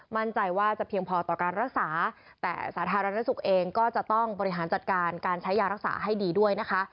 มั่นใจว่าจะเพียงพอต่อการรักษาแต่สาธารณสุขเองก็จะต้องบริหารจัดการการใช้ยารักษาให้ดีด้วยนะคะ